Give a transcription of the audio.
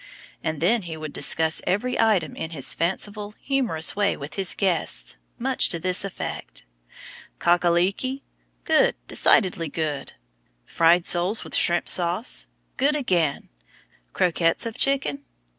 And then he would discuss every item in his fanciful, humorous way with his guests, much to this effect: "Cock a leekie? Good, decidedly good; fried soles with shrimp sauce? Good again; croquettes of chicken?